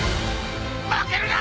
負けるな！